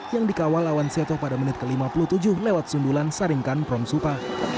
yang dikawal lawan seto pada menit ke lima puluh tujuh lewat sundulan saringkan promsupa